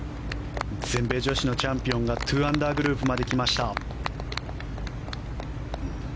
全米女子のチャンピオンが２アンダーグループまで来ました。